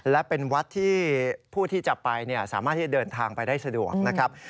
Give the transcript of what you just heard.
และเป็นวัดที่ผู้ที่จะไปสามารถที่จะเดินทางไปได้สะดวกนะครับ